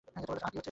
আহ, কী হচ্ছে এসব?